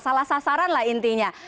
salah sasaran lah intinya